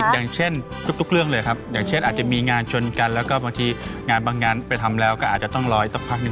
อย่างเชฟอาจจะมีงานชนกันแล้วก็บางทีงานบางงานไปทำแล้วก็อาจจะต้องรออีกต้นพักหนึ่ง